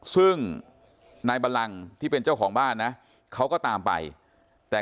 ซึ่งนายบัลลังที่เป็นเจ้าของบ้านนะเขาก็ตามไปแต่